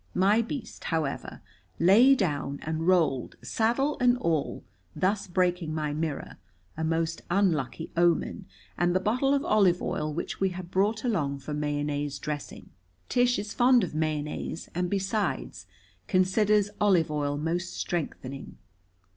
My beast, however, lay down and rolled, saddle and all, thus breaking my mirror a most unlucky omen and the bottle of olive oil which we had brought along for mayonnaise dressing. Tish is fond of mayonnaise, and, besides, considers olive oil most strengthening.